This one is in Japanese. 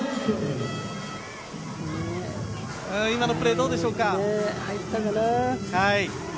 今のプレー、どうでしょうか。